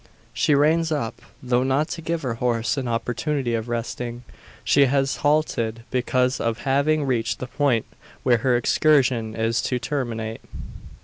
She reins up; though not to give her horse an opportunity of resting. She has halted, because of having reached the point where her excursion is to terminate.